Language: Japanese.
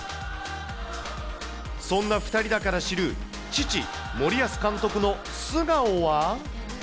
そんな２人だから知る、父、森保監督の素顔は。